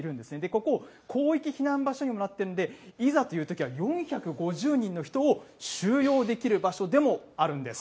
ここ、広域避難場所にもなっているんで、いざというときは、４５０人の人を収容できる場所でもあるんです。